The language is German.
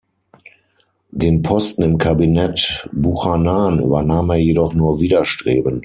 Den Posten im Kabinett Buchanan übernahm er jedoch nur widerstrebend.